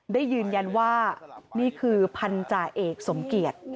ได้ยืนยันว่านี่คือพันธาเอกสมเกียจ